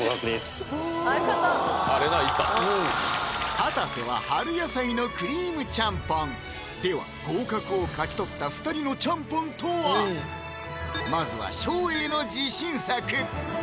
かたせは春野菜のクリームちゃんぽんでは合格を勝ち取った２人のちゃんぽんとは⁉まずは照英の自信作！